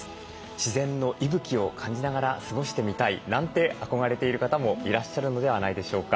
自然の息吹を感じながら過ごしてみたいなんて憧れている方もいらっしゃるのではないでしょうか。